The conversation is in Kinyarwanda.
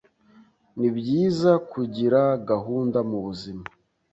Nibyiza, kugira gahunda mu buzima